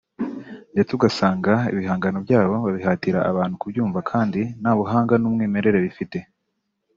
ndetse ugasanga ibihangano byabo babihatira abantu kubyumva kandi ntabuhangan’umwimerere bifite